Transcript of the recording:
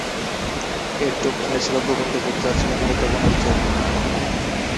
এর দক্ষিণে ছিলো গোবিন্দপুর, যা ছিলো মূলত বনাঞ্চল।